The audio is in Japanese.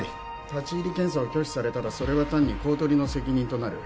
立入検査を拒否されたらそれは単に公取の責任となる。